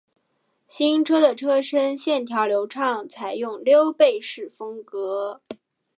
新车的车身线条流畅，采用溜背式风格